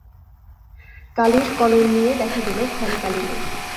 কালির কলম নিয়ে দেখা গেল ঘরে কালি নেই।